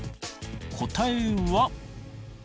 答えは。